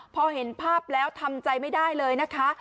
พอเห็นภาพแล้วทำใจไม่ได้เลยนะคะ